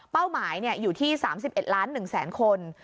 หมายอยู่ที่๓๑ล้าน๑แสนคน